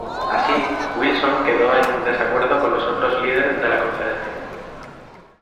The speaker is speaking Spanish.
Así, Wilson quedó en desacuerdo con los otros líderes de la conferencia.